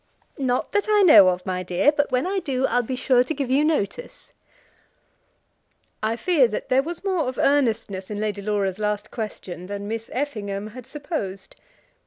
"Not that I know of, my dear. But when I do, I'll be sure to give you notice." I fear that there was more of earnestness in Lady Laura's last question than Miss Effingham had supposed.